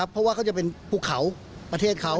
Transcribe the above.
เพราะว่าเขาจะเป็นภูเขาประเทศเขา